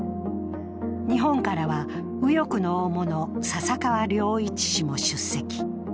日本からは右翼の大物・笹川良一氏も出席。